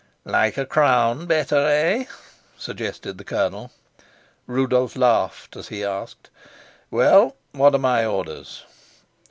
"Like a crown better, eh?" suggested the colonel. Rudolf laughed as he asked, "Well, what are my orders?"